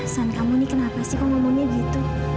san kamu ini kenapa sih kok ngomongnya gitu